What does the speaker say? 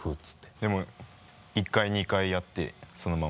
でも１回２回やってそのまま。